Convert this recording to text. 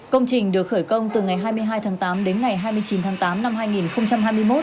công trình được khởi công từ ngày hai mươi hai tháng tám đến ngày hai mươi chín tháng tám năm hai nghìn hai mươi một